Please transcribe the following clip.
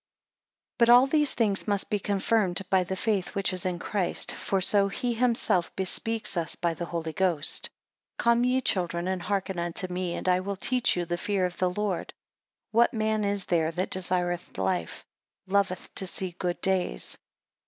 BUT all these things must be confirmed by the faith which is in Christ; for so He himself bespeaks us by the Holy Ghost; 2 Come ye children and hearken unto me, and I will teach you the fear of the Lord. What man is there that desireth life, and loveth to see good days?